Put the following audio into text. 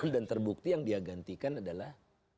dan terbukti yang dia gantikan adalah